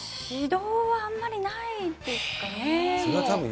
指導はあんまりないですかね。